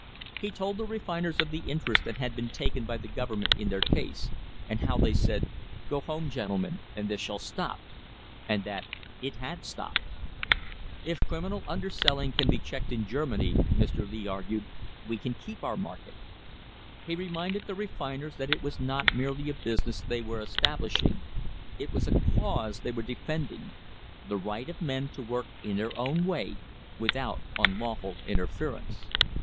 He told the refiners of the interest that had been taken by the government in their case, and how they said, "Go home, gentlemen, and this shall stop," and that it had stopped. If criminal underselling can be checked in Germany, Mr. Lee argued, we can keep our market. He reminded the re finers that it was not merely a business they were establish ing; it was a cause they were defending the right of men to work in their own way without unlawful interference.